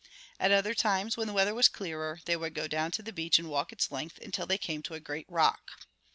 At other times, when the weather was clearer, they would go down to the beach and walk its length until they came to a great rock.